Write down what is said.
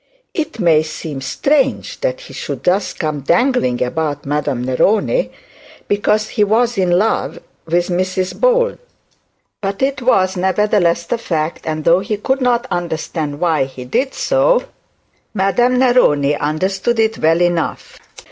It may seem strange that he should thus come dangling about Madame Neroni because he was in love with Mrs Bold; but it was nevertheless the fact; and though he could not understand why he did so, Madame Neroni understood it well enough.